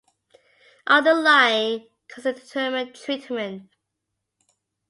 Underlying causes determine treatment.